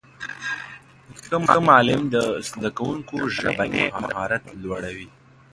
ښه معلم د زدهکوونکو ژبنی مهارت لوړوي.